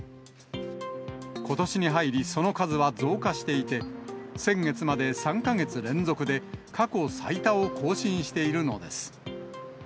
ことしに入り、その数は増加していて、先月まで３か月連続で、過去最多を更新しているのです。